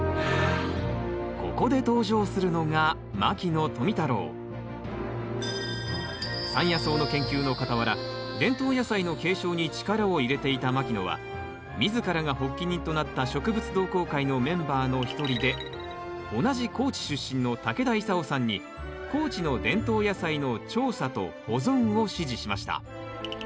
ここで登場するのが山野草の研究の傍ら伝統野菜の継承に力を入れていた牧野は自らが発起人となった植物同好会のメンバーの一人で同じ高知出身の竹田功さんに高知の伝統野菜の調査と保存を指示しました。